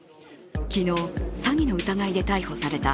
昨日、詐欺の疑いで逮捕された